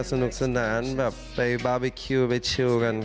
สนุกสนานไปบาวบี้คิลไปชิลกัน